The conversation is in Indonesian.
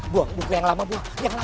buang buku yang lama buang